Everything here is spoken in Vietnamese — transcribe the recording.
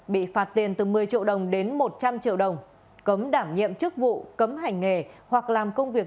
bị phạt tiền từ một mươi triệu đồng đến một trăm linh triệu đồng cấm đảm nhiệm chức vụ cấm hành nghề hoặc làm công việc